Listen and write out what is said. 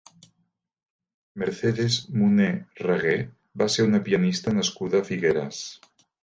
Mercedes Moner Raguer va ser una pianista nascuda a Figueres.